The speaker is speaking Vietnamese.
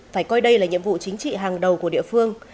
phải coi đây là nhiệm vụ chính trị hàng đầu của địa phương